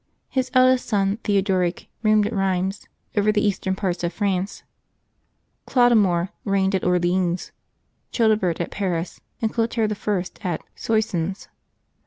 His eldest son, Theodoric, reigned at Rheims over the eastern parts of France, Clodomir reigned at Orleans, ChiMebert at Paris, and Clotaire I. at Soissons.